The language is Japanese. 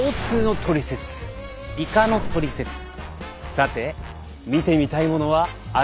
さて見てみたいものはあるかな？